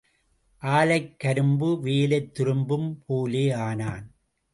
ஆலைக் கரும்பும் வேலைத் துரும்பும் போல ஆனேன்.